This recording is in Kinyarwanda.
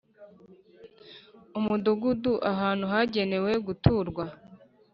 umudugudu: ahantu hagenewe guturwa